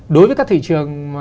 đối với các thị trường